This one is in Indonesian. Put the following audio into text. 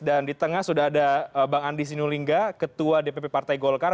dan di tengah sudah ada bang andi sinulinga ketua dpp partai golkar